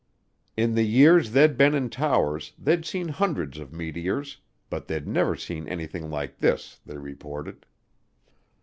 In the years they'd been in towers they'd seen hundreds of meteors, but they'd never seen anything like this, they reported.